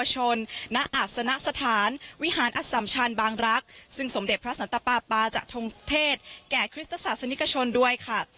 จะทรงเทศแก่คริสตสาสนิกชนด้วยค่ะ